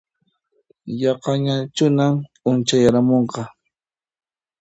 Yaqañachunan p'unchayaramunqa